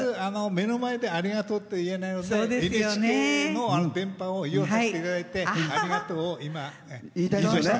目の前で「ありがとう」って言えないのでＮＨＫの電波を利用させていただいてありがとうを今、言いました。